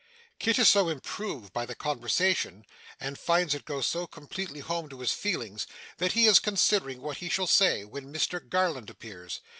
Kit is so improved by the conversation, and finds it go so completely home to his feelings, that he is considering what he shall say, when Mr Garland appears.